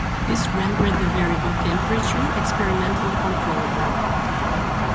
This rendered the variable “temperature” experimentally controllable.